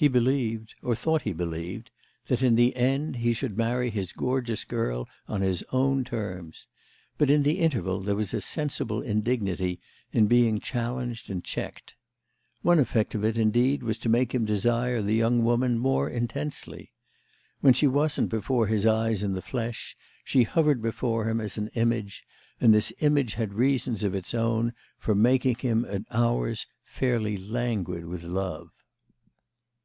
He believed—or he thought he believed—that in the end he should marry his gorgeous girl on his own terms; but in the interval there was a sensible indignity in being challenged and checked. One effect of it indeed was to make him desire the young woman more intensely. When she wasn't before his eyes in the flesh she hovered before him as an image, and this image had reasons of its own for making him at hours fairly languid with love.